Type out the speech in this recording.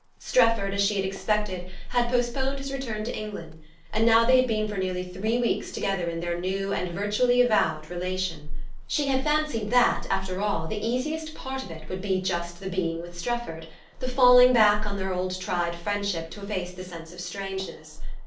Strefford, as she had expected, had postponed his return to England, and they had now been for nearly three weeks together in their new, and virtually avowed, relation. She had fancied that, after all, the easiest part of it would be just the being with Strefford the falling back on their old tried friendship to efface the sense of strangeness.